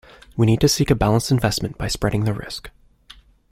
We need to seek a balanced investment by spreading the risk.